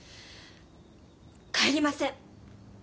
帰りません。